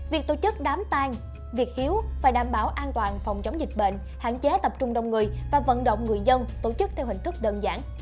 việc tổ chức đám tang việc hiếu phải đảm bảo an toàn phòng chống dịch bệnh hạn chế tập trung đông người và vận động người dân tổ chức theo hình thức đơn giản